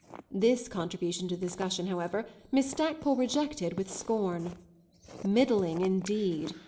This contribution to the discussion, however, Miss Stackpole rejected with scorn. Middling indeed!